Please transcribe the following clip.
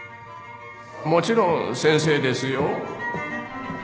・もちろん先生ですよ。